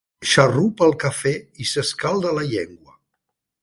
Xarrupa el cafè i s'escalda la llengua.